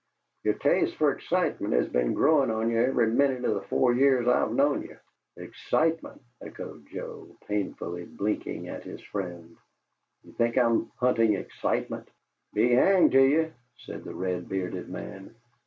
"Yer taste fer excitement has been growin' on ye every minute of the four years I've known ye." "Excitement!" echoed Joe, painfully blinking at his friend. "Do you think I'm hunting excitement?" "Be hanged to ye!" said the red bearded man.